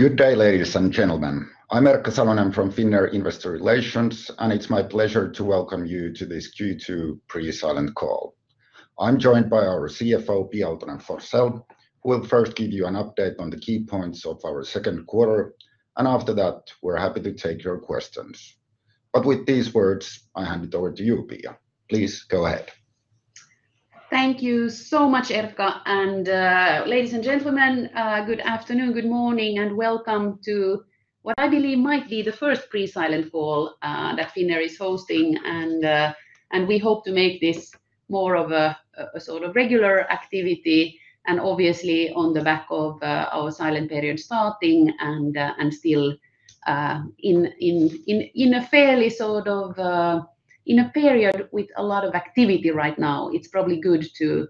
Good day, ladies and gentlemen. I am Erkka Salonen from Finnair Investor Relations, and it is my pleasure to welcome you to this Q2 pre-silent call. I am joined by our CFO, Pia Aaltonen-Forsell, who will first give you an update on the key points of our second quarter. After that, we are happy to take your questions. With these words, I hand it over to you, Pia. Please go ahead. Thank you so much, Erkka, and ladies and gentlemen, good afternoon, good morning, and welcome to what I believe might be the first pre-silent call that Finnair is hosting. We hope to make this more of a regular activity and obviously on the back of our silent period starting and still in a period with a lot of activity right now. It is probably good to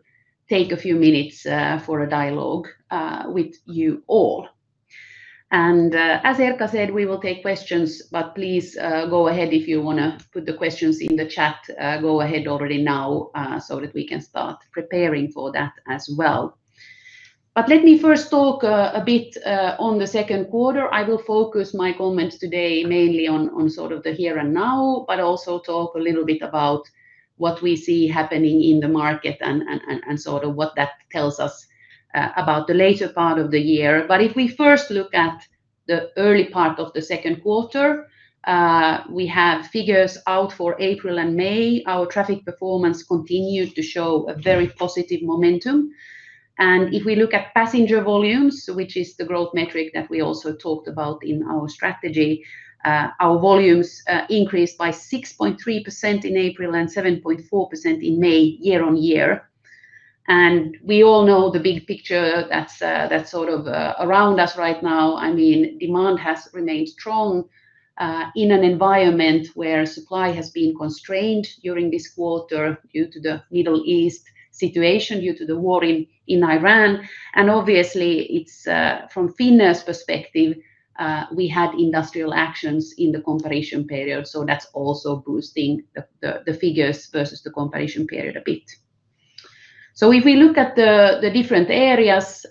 take a few minutes for a dialogue with you all. As Erkka said, we will take questions, but please go ahead if you want to put the questions in the chat. Go ahead already now, so that we can start preparing for that as well. Let me first talk a bit on the second quarter. I will focus my comments today mainly on the here and now, but also talk a little bit about what we see happening in the market and what that tells us about the later part of the year. If we first look at the early part of the second quarter, we have figures out for April and May. Our traffic performance continued to show a very positive momentum. If we look at passenger volumes, which is the growth metric that we also talked about in our strategy, our volumes increased by 6.3% in April and 7.4% in May, year-on-year. We all know the big picture that is around us right now. Demand has remained strong in an environment where supply has been constrained during this quarter due to the Middle East situation, due to the war in Iran. Obviously from Finnair's perspective, we had industrial actions in the comparison period, so that is also boosting the figures versus the comparison period a bit. If we look at the different areas,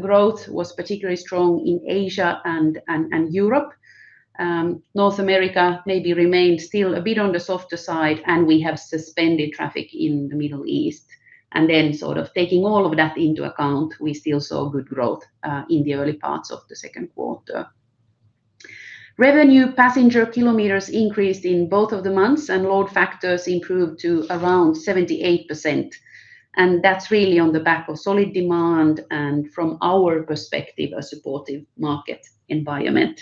growth was particularly strong in Asia and Europe. North America maybe remained still a bit on the softer side, and we have suspended traffic in the Middle East. Taking all of that into account, we still saw good growth in the early parts of the second quarter. Revenue passenger kilometers increased in both of the months, and load factors improved to around 78%. That is really on the back of solid demand and from our perspective, a supportive market environment.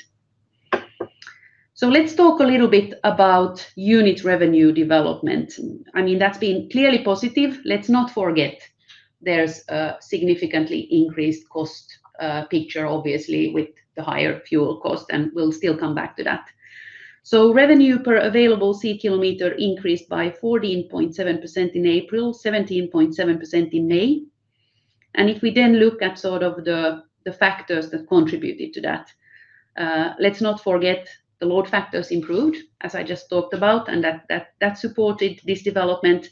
Let us talk a little bit about unit revenue development. That has been clearly positive. Let's not forget there's a significantly increased cost picture, obviously, with the higher fuel cost, and we'll still come back to that. Revenue per available seat kilometer increased by 14.7% in April, 17.7% in May. If we then look at the factors that contributed to that, let's not forget the load factors improved, as I just talked about, and that supported this development.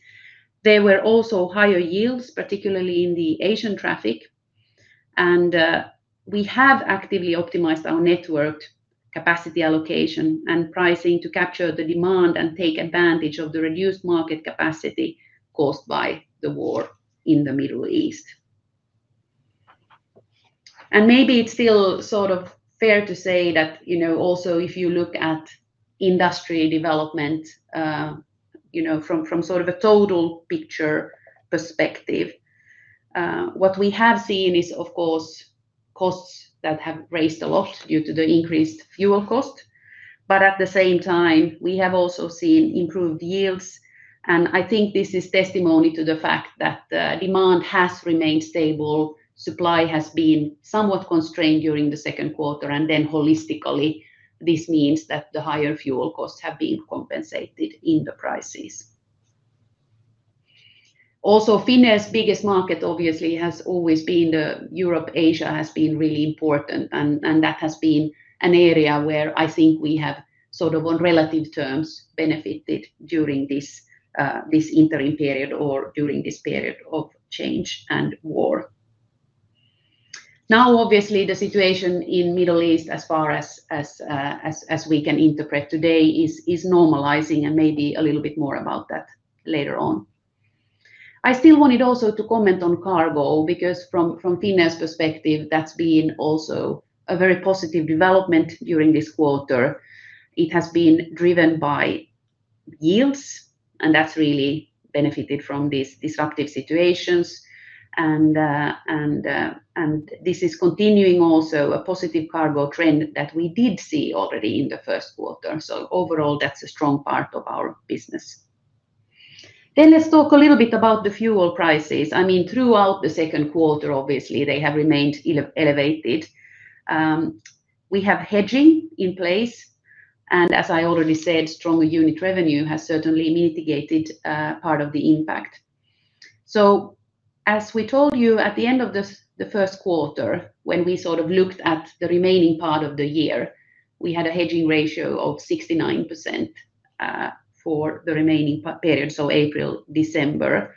There were also higher yields, particularly in the Asian traffic. We have actively optimized our network capacity allocation and pricing to capture the demand and take advantage of the reduced market capacity caused by the war in the Middle East. Maybe it's still fair to say that also if you look at industry development from a total picture perspective, what we have seen is, of course, costs that have raised a lot due to the increased fuel cost. At the same time, we have also seen improved yields. I think this is testimony to the fact that demand has remained stable, supply has been somewhat constrained during the second quarter, holistically, this means that the higher fuel costs have been compensated in the prices. Finnair's biggest market obviously has always been Europe. Asia has been really important, and that has been an area where I think we have on relative terms, benefited during this interim period or during this period of change and war. Obviously, the situation in Middle East as far as we can interpret today is normalizing and maybe a little bit more about that later on. I still wanted also to comment on cargo, because from Finnair's perspective, that's been also a very positive development during this quarter. It has been driven by yields, that's really benefited from these disruptive situations. This is continuing also a positive cargo trend that we did see already in the first quarter. Overall, that's a strong part of our business. Let's talk a little bit about the fuel prices. Throughout the second quarter, obviously, they have remained elevated. We have hedging in place, and as I already said, stronger unit revenue has certainly mitigated part of the impact. As we told you at the end of the first quarter, when we looked at the remaining part of the year, we had a hedging ratio of 69% for the remaining period, April, December.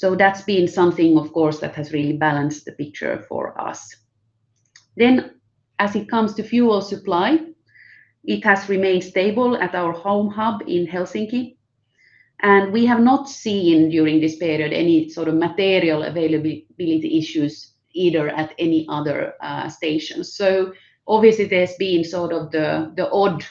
That's been something, of course, that has really balanced the picture for us. As it comes to fuel supply, it has remained stable at our home hub in Helsinki, and we have not seen, during this period, any sort of material availability issues either at any other stations. Obviously there's been the odd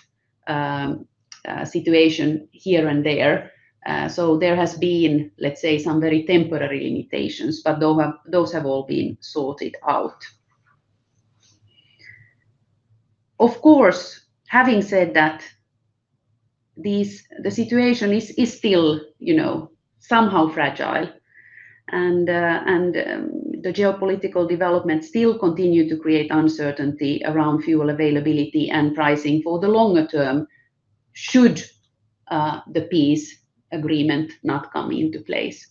situation here and there. There has been, let's say, some very temporary limitations, but those have all been sorted out. Having said that, the situation is still somehow fragile and the geopolitical developments still continue to create uncertainty around fuel availability and pricing for the longer term should the peace agreement not come into place.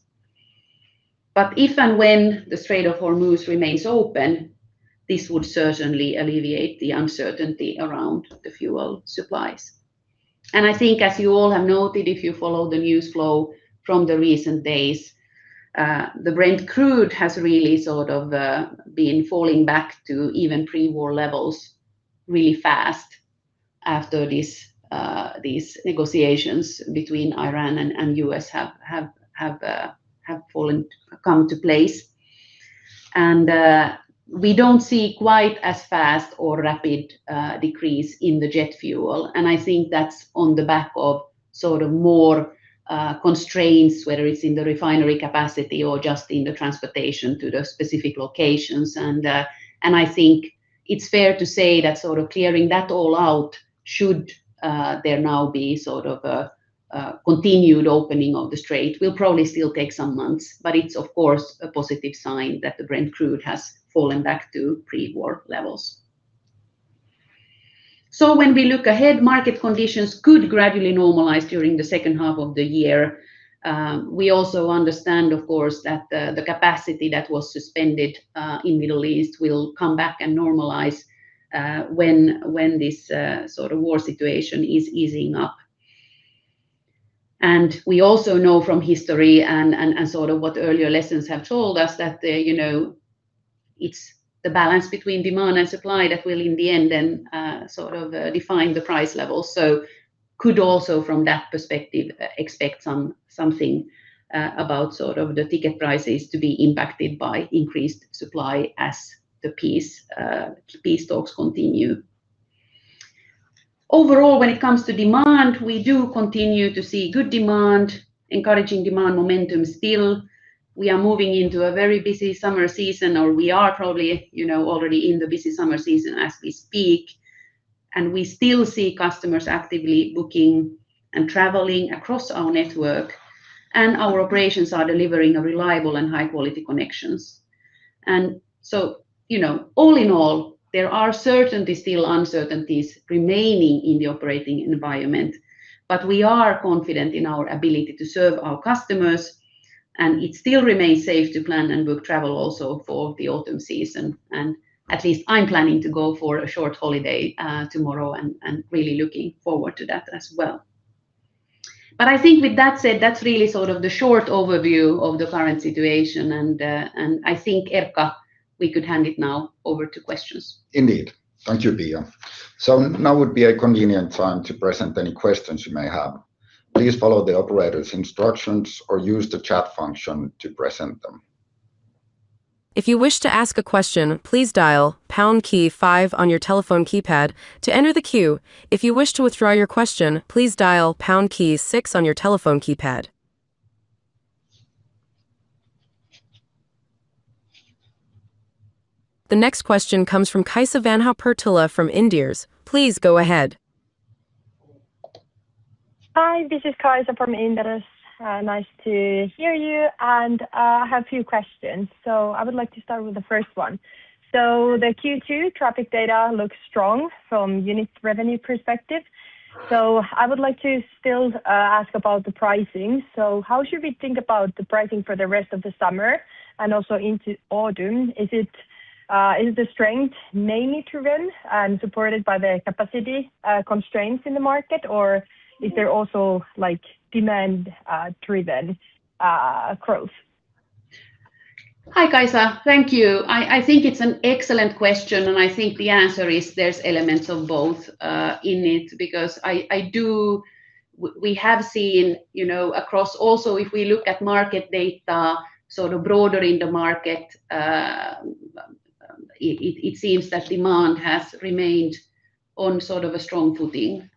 If and when the Strait of Hormuz remains open, this would certainly alleviate the uncertainty around the fuel supplies. I think, as you all have noted, if you follow the news flow from the recent days, the Brent crude has really been falling back to even pre-war levels really fast after these negotiations between Iran and U.S. have come to place. We don't see quite as fast or rapid decrease in the jet fuel. I think that's on the back of more constraints, whether it's in the refinery capacity or just in the transportation to the specific locations. I think it's fair to say that clearing that all out, should there now be a continued opening of the strait, will probably still take some months, but it's, of course, a positive sign that the Brent crude has fallen back to pre-war levels. When we look ahead, market conditions could gradually normalize during the second half of the year. We also understand, of course, that the capacity that was suspended in Middle East will come back and normalize when this war situation is easing up. We also know from history, and what earlier lessons have told us, that it's the balance between demand and supply that will, in the end, then define the price level. Could also, from that perspective, expect something about the ticket prices to be impacted by increased supply as the peace talks continue. Overall, when it comes to demand, we do continue to see good demand, encouraging demand momentum still. We are moving into a very busy summer season, or we are probably already in the busy summer season as we speak. We still see customers actively booking and traveling across our network, and our operations are delivering a reliable and high-quality connections. All in all, there are certainly still uncertainties remaining in the operating environment, but we are confident in our ability to serve our customers, and it still remains safe to plan and book travel also for the autumn season. At least I'm planning to go for a short holiday tomorrow and really looking forward to that as well. I think with that said, that's really the short overview of the current situation and, I think, Erkka, we could hand it now over to questions. Indeed. Thank you, Pia. Now would be a convenient time to present any questions you may have. Please follow the operator's instructions or use the chat function to present them. If you wish to ask a question, please dial pound key five on your telephone keypad to enter the queue. If you wish to withdraw your question, please dial pound key six on your telephone keypad. The next question comes from Kaisa Vanha-Perttula from Inderes. Please go ahead. Hi, this is Kaisa from Inderes. Nice to hear you, and I have a few questions. I would like to start with the first one. The Q2 traffic data looks strong from unit revenue perspective. I would like to still ask about the pricing. How should we think about the pricing for the rest of the summer and also into autumn? Is the strength mainly driven and supported by the capacity constraints in the market, or is there also demand-driven growth? Hi, Kaisa. Thank you. I think it's an excellent question, and I think the answer is there's elements of both in it, because we have seen across also if we look at market data broader in the market, it seems that demand has remained on a strong footing.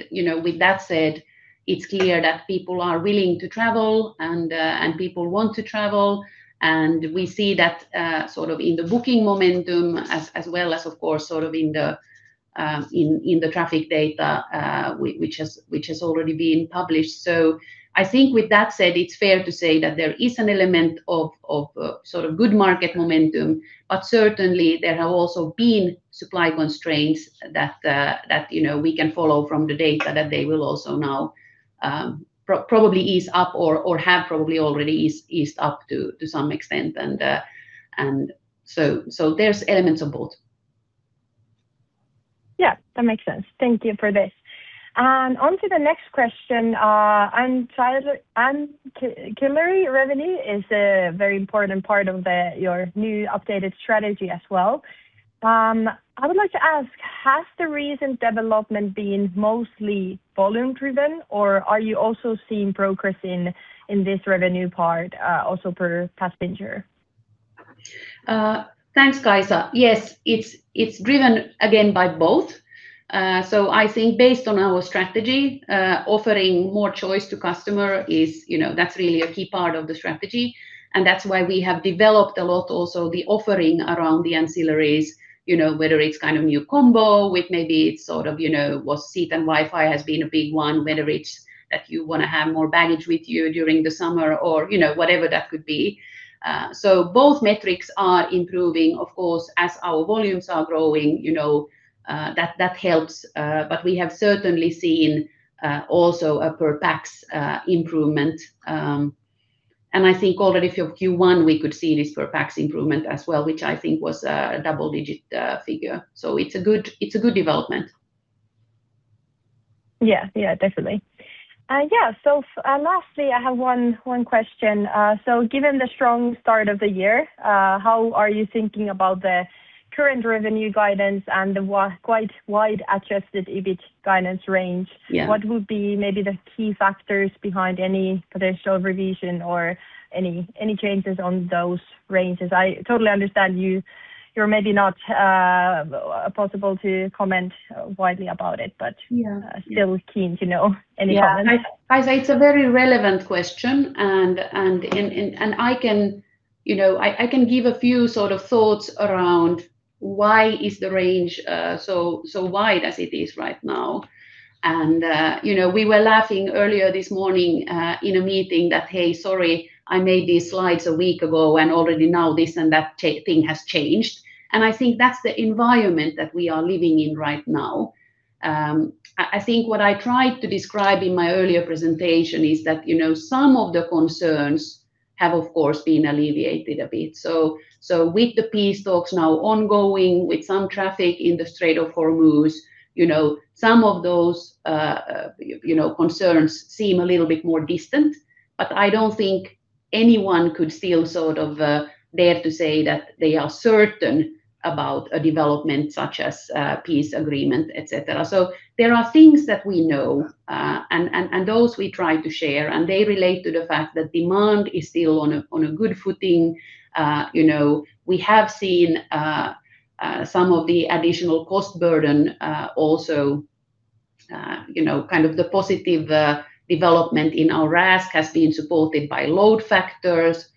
With that said, it's clear that people are willing to travel and people want to travel. We see that in the booking momentum as well as, of course, in the traffic data, which has already been published. I think with that said, it's fair to say that there is an element of good market momentum, but certainly there have also been supply constraints that we can follow from the data that they will also now probably ease up or have probably already eased up to some extent. There's elements of both. Yeah, that makes sense. Thank you for this. On to the next question. Ancillary revenue is a very important part of your new updated strategy as well. I would like to ask, has the recent development been mostly volume-driven, or are you also seeing progress in this revenue part also per passenger? Thanks, Kaisa. Yes. It's driven, again, by both. I think based on our strategy, offering more choice to customer, that's really a key part of the strategy, and that's why we have developed a lot also the offering around the ancillaries, whether it's kind of new combo with maybe it's seat and Wi-Fi has been a big one, whether it's that you want to have more baggage with you during the summer or whatever that could be. Both metrics are improving. Of course, as our volumes are growing, that helps. We have certainly seen also a per pax improvement. I think already for Q1, we could see this per pax improvement as well, which I think was a double-digit figure. It's a good development. Yeah, definitely. Lastly, I have one question. Given the strong start of the year, how are you thinking about the current revenue guidance and the quite wide adjusted EBIT guidance range? Yeah. What would be maybe the key factors behind any potential revision or any changes on those ranges? I totally understand you're maybe not possible to comment widely about it. Yeah I am still keen to know any comment. Yeah. Kaisa, it's a very relevant question. I can give a few sort of thoughts around why is the range so wide as it is right now. We were laughing earlier this morning in a meeting that, "Hey, sorry, I made these slides a week ago, and already now this and that thing has changed." I think that's the environment that we are living in right now. I think what I tried to describe in my earlier presentation is that some of the concerns have, of course, been alleviated a bit. With the peace talks now ongoing, with some traffic in the Strait of Hormuz, some of those concerns seem a little bit more distant. I don't think anyone could still sort of dare to say that they are certain about a development such as a peace agreement, et cetera. There are things that we know, and those we try to share, and they relate to the fact that demand is still on a good footing. We have seen some of the additional cost burden also kind of the positive development in our RASK has been supported by load factors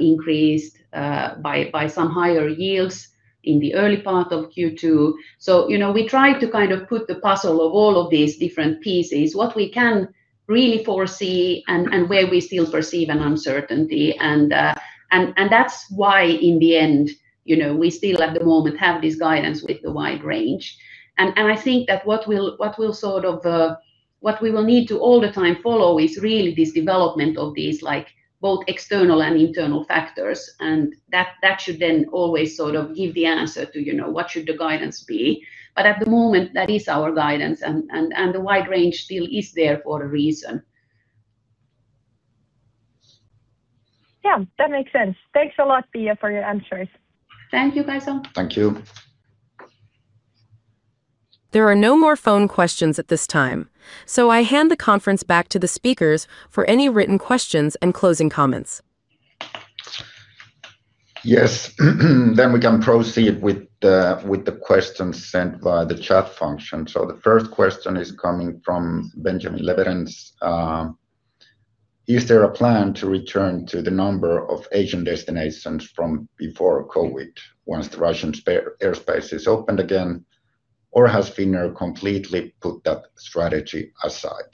increased by some higher yields in the early part of Q2. We try to kind of put the puzzle of all of these different pieces, what we can really foresee and where we still perceive an uncertainty. That's why in the end, we still at the moment have this guidance with the wide range. I think that what we will need to all the time follow is really this development of these, both external and internal factors, and that should then always sort of give the answer to what should the guidance be. At the moment, that is our guidance, and the wide range still is there for a reason. Yeah, that makes sense. Thanks a lot, Pia, for your answers. Thank you, Kaisa. Thank you. There are no more phone questions at this time. I hand the conference back to the speakers for any written questions and closing comments. Yes. We can proceed with the questions sent via the chat function. The first question is coming from Benjamin Leverenz. Is there a plan to return to the number of Asian destinations from before COVID once the Russian airspace is opened again? Or has Finnair completely put that strategy aside?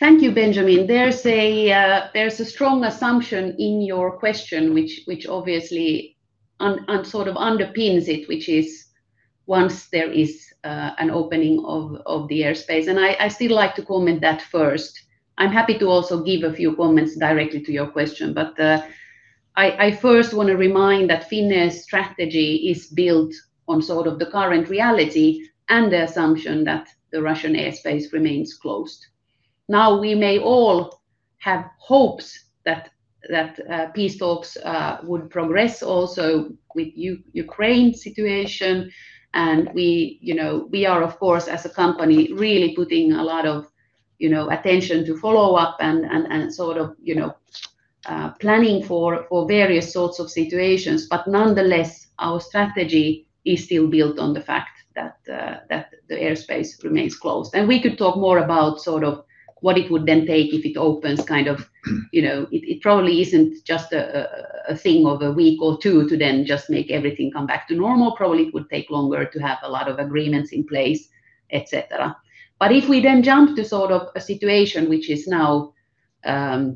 Thank you, Benjamin. There's a strong assumption in your question which obviously sort of underpins it, which is once there is an opening of the airspace. I still like to comment that first. I'm happy to also give a few comments directly to your question, but I first want to remind that Finnair's strategy is built on sort of the current reality and the assumption that the Russian airspace remains closed. We may all have hopes that peace talks would progress also with Ukraine situation. We are, of course, as a company, really putting a lot of attention to follow up and sort of planning for various sorts of situations. Nonetheless, our strategy is still built on the fact that the airspace remains closed. We could talk more about sort of what it would then take if it opens. It probably isn't just a thing of a week or two to then just make everything come back to normal. Probably it would take longer to have a lot of agreements in place, et cetera. If we then jump to sort of a situation which is now that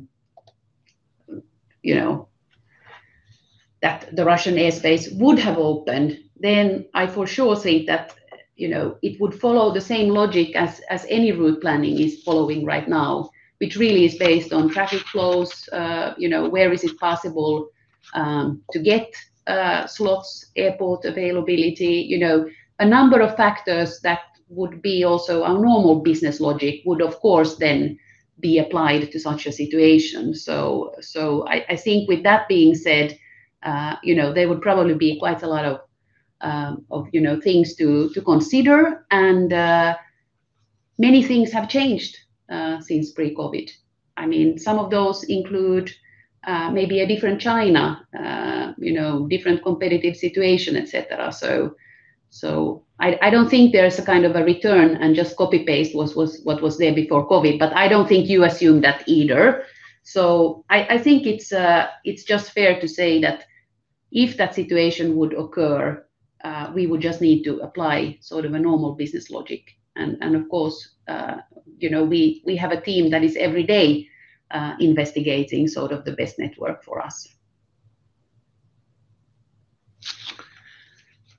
the Russian airspace would have opened, then I for sure say that it would follow the same logic as any route planning is following right now, which really is based on traffic flows, where is it possible to get slots, airport availability. A number of factors that would be also our normal business logic would, of course then, be applied to such a situation. I think with that being said, there would probably be quite a lot of things to consider, and many things have changed since pre-COVID. Some of those include maybe a different China, different competitive situation, et cetera. I don't think there's a kind of a return and just copy-paste what was there before COVID, but I don't think you assume that either. I think it's just fair to say that if that situation would occur, we would just need to apply a normal business logic. Of course, we have a team that is every day investigating the best network for us.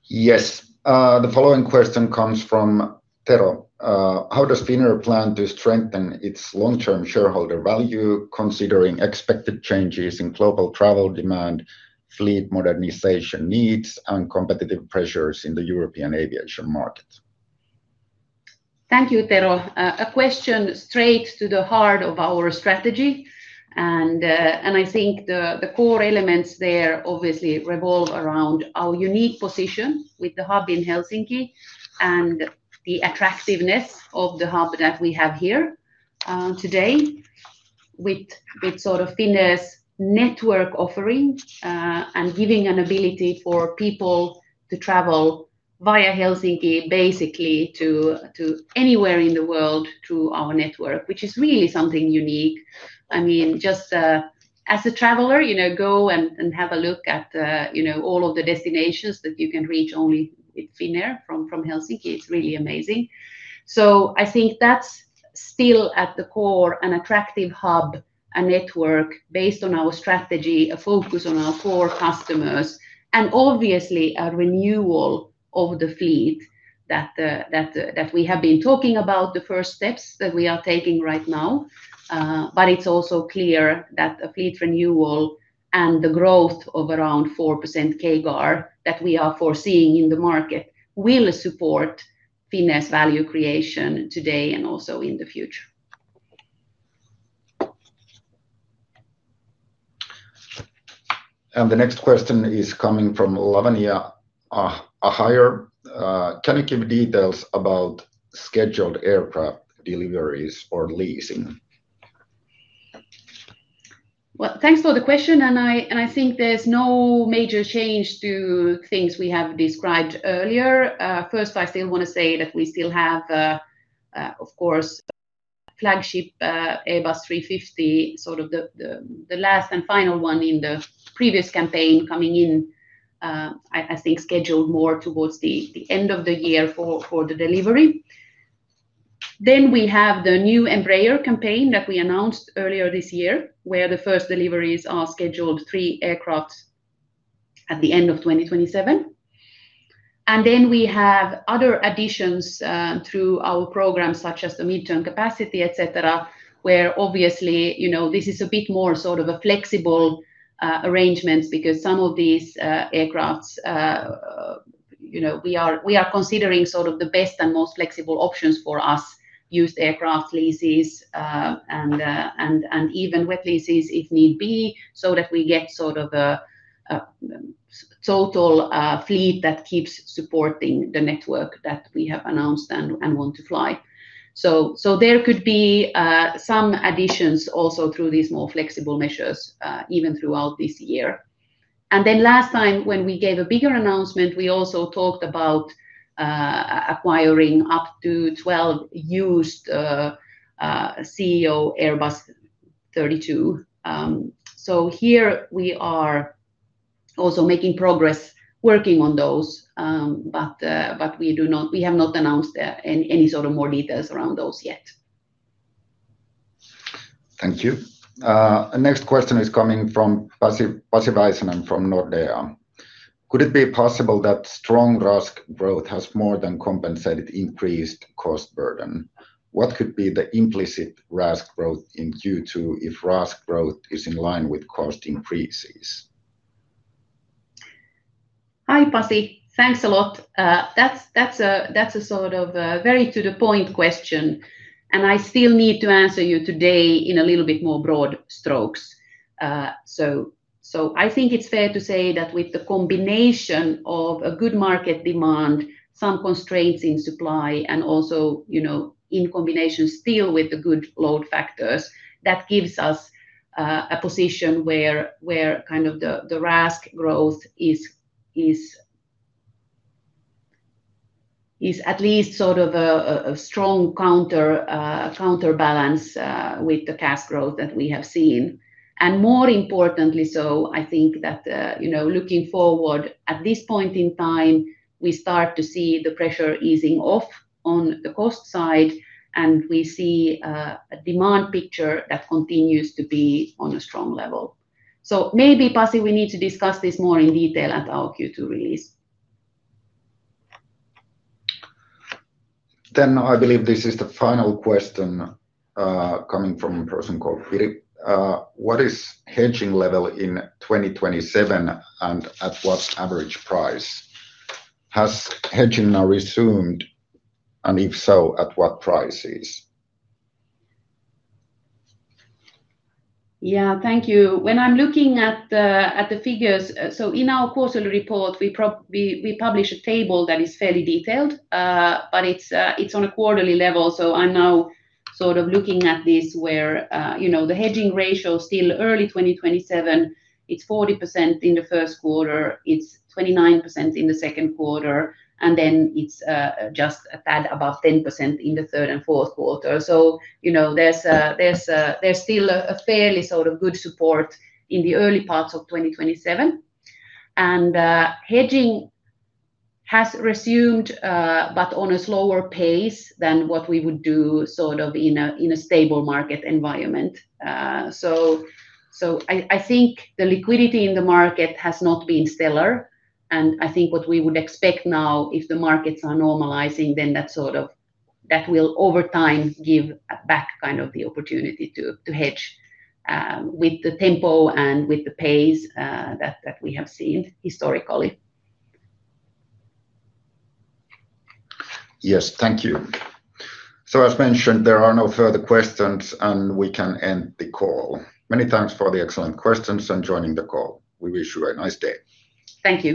Yes. The following question comes from Tero. How does Finnair plan to strengthen its long-term shareholder value considering expected changes in global travel demand, fleet modernization needs, and competitive pressures in the European aviation market? Thank you, Tero. A question straight to the heart of our strategy, and I think the core elements there obviously revolve around our unique position with the hub in Helsinki and the attractiveness of the hub that we have here today with Finnair's network offering, and giving an ability for people to travel via Helsinki, basically to anywhere in the world through our network, which is really something unique. Just as a traveler, go and have a look at all of the destinations that you can reach only with Finnair from Helsinki. It's really amazing. I think that's still at the core, an attractive hub, a network based on our strategy, a focus on our core customers, and obviously a renewal of the fleet that we have been talking about, the first steps that we are taking right now. It's also clear that a fleet renewal and the growth of around 4% CAGR that we are foreseeing in the market will support Finnair's value creation today and also in the future. The next question is coming from Lavanya Ahire. Can you give details about scheduled aircraft deliveries or leasing? Well, thanks for the question, and I think there's no major change to things we have described earlier. First, I still want to say that we still have, of course, flagship Airbus 350, the last and final one in the previous campaign coming in, I think, scheduled more towards the end of the year for the delivery. We have the new Embraer campaign that we announced earlier this year, where the first deliveries are scheduled three aircraft at the end of 2027. We have other additions through our programs such as the midterm capacity, et cetera, where obviously, this is a bit more a flexible arrangement because some of these aircraft, we are considering the best and most flexible options for us: used aircraft leases, and even wet leases if need be, so that we get a total fleet that keeps supporting the network that we have announced and want to fly. There could be some additions also through these more flexible measures, even throughout this year. Last time when we gave a bigger announcement, we also talked about acquiring up to 12 used ceo Airbus A320. Here we are also making progress working on those, but we have not announced any more details around those yet. Thank you. Next question is coming from Pasi Väisänen from Nordea. Could it be possible that strong RASK growth has more than compensated increased cost burden? What could be the implicit RASK growth in Q2 if RASK growth is in line with cost increases? Hi, Pasi. Thanks a lot. That's a very to-the-point question, I still need to answer you today in a little bit more broad strokes. I think it's fair to say that with the combination of a good market demand, some constraints in supply, and also, in combination still with the good load factors, that gives us a position where the RASK growth is at least a strong counterbalance with the CASK growth that we have seen. More importantly so I think that looking forward at this point in time, we start to see the pressure easing off on the cost side, and we see a demand picture that continues to be on a strong level. Maybe, Pasi, we need to discuss this more in detail at our Q2 release. I believe this is the final question coming from a person called Philip. What is hedging level in 2027 and at what average price? Has hedging now resumed, and if so, at what prices? Thank you. When I'm looking at the figures, in our quarterly report, we publish a table that is fairly detailed, but it's on a quarterly level. I'm now looking at this where the hedging ratio still early 2027, it's 40% in the first quarter, it's 29% in the second quarter, and then it's just a tad above 10% in the third and fourth quarter. There's still a fairly good support in the early parts of 2027. Hedging has resumed, but on a slower pace than what we would do in a stable market environment. I think the liquidity in the market has not been stellar, and I think what we would expect now, if the markets are normalizing, then that will over time give back the opportunity to hedge with the tempo and with the pace that we have seen historically. Yes. Thank you. As mentioned, there are no further questions, and we can end the call. Many thanks for the excellent questions and joining the call. We wish you a nice day. Thank you.